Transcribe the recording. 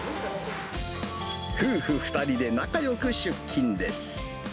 夫婦２人で仲よく出勤です。